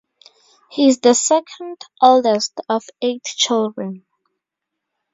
He is the second oldest of eight children.